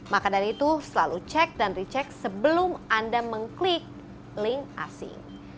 maka dari itu selalu cek dan recheck sebelum anda mengklik link asing